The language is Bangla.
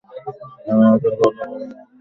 আমি কখনই জানতাম না তুমি এই পথে আছোএবং কাজ করছো।